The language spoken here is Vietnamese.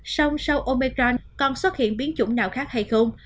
xong sau omicron còn xuất hiện biến chủng nào khác hay không